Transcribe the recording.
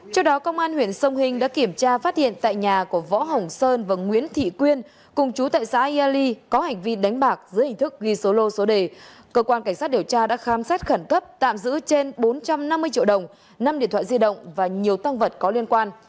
trước đó công an huyện sông hình đã kiểm tra phát hiện tại nhà của võ hồng sơn và nguyễn thị quyên cùng chú tại xã ya ly có hành vi đánh bạc dưới hình thức ghi số lô số đề cơ quan cảnh sát điều tra đã khám xét khẩn cấp tạm giữ trên bốn trăm năm mươi triệu đồng năm điện thoại di động và nhiều tăng vật có liên quan